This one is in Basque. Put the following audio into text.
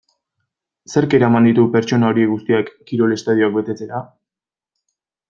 Zerk eraman ditu pertsona horiek guztiak kirol estadioak betetzera?